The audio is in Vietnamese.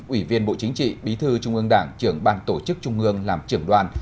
ủy viên bộ chính trị bí thư trung ương đảng trưởng ban tổ chức trung ương làm trưởng đoàn